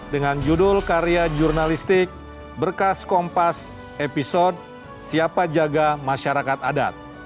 dengan judul karya jurnalistik berkas kompas episode siapa jaga masyarakat adat